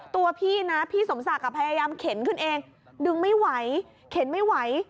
ตัวพี่นะพี่สมศักดิ์พยายามเข็นขึ้นเองดึงไม่ไหวเข็นไม่ไหว